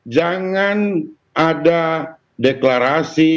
jangan ada deklarasi